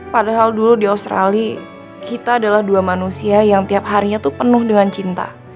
padahal dulu di australia kita adalah dua manusia yang tiap harinya itu penuh dengan cinta